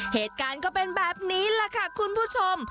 เหตุการณ์ก็เป็นแบบนี้แหละค่ะคุณผู้ชม